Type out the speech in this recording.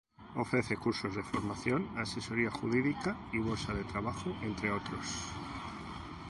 Ofrece cursos de formación, asesoría jurídica y bolsa de trabajo, entre otros.